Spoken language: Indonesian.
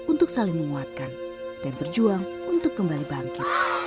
untuk saling menguatkan dan berjuang untuk kembali bangkit